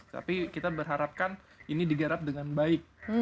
tapi kita berharapkan ini digarap dengan baik